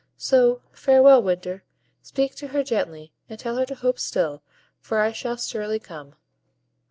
So farewell, Winter! Speak to her gently, and tell her to hope still, for I shall surely come."